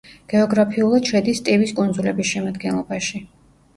გეოგრაფიულად შედის ტივის კუნძულების შემადგენლობაში.